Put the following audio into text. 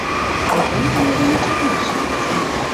«Могай амал дене чарнаш», — шонем.